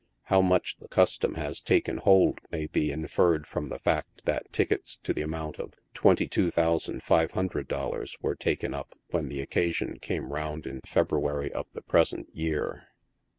How much the custom has taken hold may be inferred from the fact that tickets to the amount of $22,500 were taken up when the occa sion came round in February of the present year.